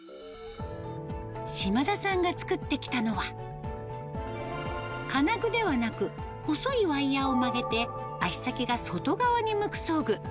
島田さんが作ってきたのは、金具ではなく、細いワイヤを曲げて、足先が外側に向く装具。